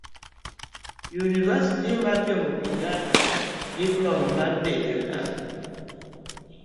univasiti mar jomo kenyatta ,diploma mar bedo nas